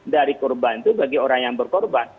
dari korban itu bagi orang yang berkorban